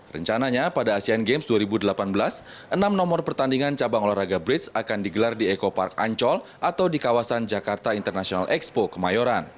rencananya pada asean games dua ribu delapan belas enam nomor pertandingan cabang olahraga bridge akan digelar di eco park ancol atau di kawasan jakarta international expo kemayoran